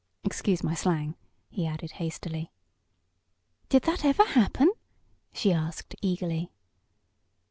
Excuse my slang," he added, hastily. "Did that ever happen?" she asked, eagerly.